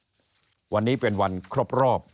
เพราะฉะนั้นท่านก็ออกโรงมาว่าท่านมีแนวทางที่จะทำเรื่องนี้ยังไง